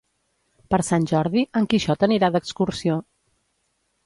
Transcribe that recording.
Per Sant Jordi en Quixot anirà d'excursió.